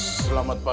selamat pagi mak